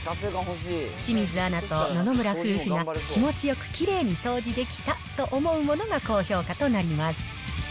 清水アナと野々村夫婦が気持ちよくきれいに掃除できたと思うものが高評価となります。